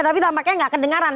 tapi tampaknya tidak kedengaran